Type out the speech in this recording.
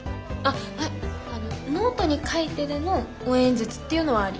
ノートに書いてでの応援演説っていうのはあり？